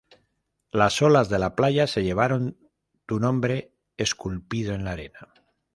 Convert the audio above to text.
Las olas de la playa se llevaron tu nombre esculpido en la arena